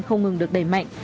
không ngừng được đẩy mạnh